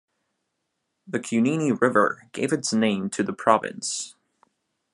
The Cunene River gave its name to the province.